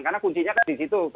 karena kuncinya kan disitu